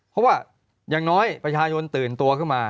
เพราะว่าอย่างน้อยประชาชนตื่นตัวขึ้นมา